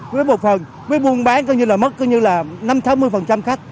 với một phần với buôn bán coi như là mất năm sáu mươi khách